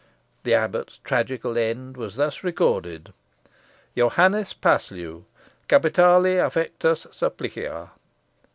The abbot's tragical end was thus recorded: Johannes Paslew: Capitali Effectus Supplicio.